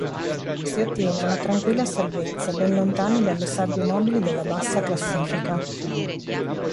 Si ottiene una tranquilla salvezza ben lontani dalle sabbie mobili della bassa classifica.